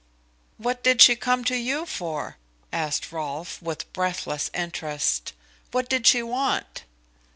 "What did she come to you for?" asked Rolfe, with breathless interest. "What did she want?"